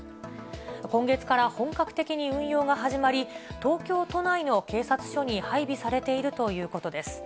今月から本格的に運用が始まり、東京都内の警察署に配備されているということです。